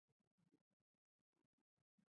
川甘槭为槭树科槭属下的一个种。